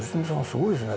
すごいですね。